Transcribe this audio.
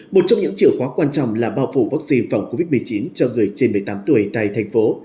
một trong những chìa khóa quan trọng là bao phủ vaccine phòng covid một mươi chín cho người trên một mươi tám tuổi tại thành phố